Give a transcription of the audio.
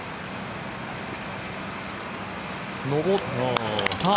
上った。